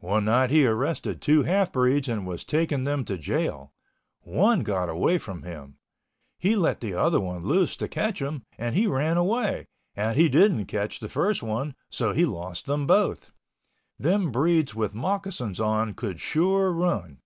One night he arrested two half breeds and was taking them to jail. One got away from him. He let the other one loose to catch him and he ran away, and he didn't catch the first one, so he lost them both. Them breeds with moccasins on could sure run.